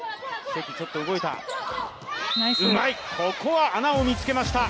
ここは穴を見つけました。